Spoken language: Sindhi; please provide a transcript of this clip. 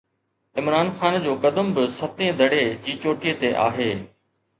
عمران خان جو قدم به ستين دڙي جي چوٽي تي آهي.